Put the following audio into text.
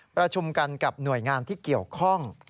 ประชุมกันกับหน่วยงานที่เกี่ยวข้อง